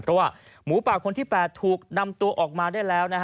เพราะว่าหมูป่าคนที่๘ถูกนำตัวออกมาได้แล้ว